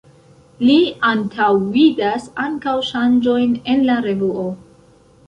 Li antaŭvidas ankaŭ ŝanĝojn en la revuo.